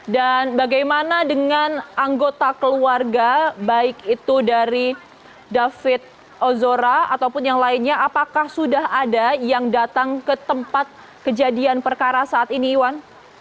dan bagaimana dengan anggota keluarga baik itu dari david ozora ataupun yang lainnya apakah sudah ada yang datang ke tempat kejadian perkara saat ini iwan